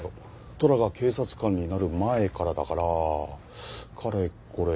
トラが警察官になる前からだからかれこれ２０年とか？